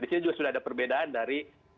di sini juga sudah ada perbedaan dari